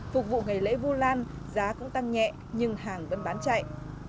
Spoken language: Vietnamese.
phục vụ ngày lễ vu lan giá cũng tăng nhẹ nhưng hàng vẫn bán chạy